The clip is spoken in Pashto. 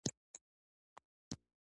ريس غږ واېست خبره جدي ده جنرال صيب.